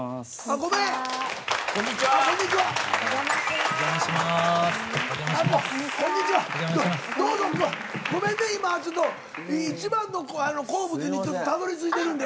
ごめんね今ちょっといちばんの好物にたどりついてるんで。